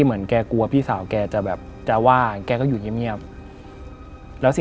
ไม่มีอะไร